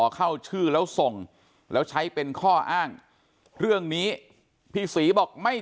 เข้าชื่อแล้วส่งแล้วใช้เป็นข้ออ้างเรื่องนี้พี่ศรีบอกไม่